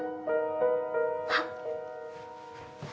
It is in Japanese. あっ。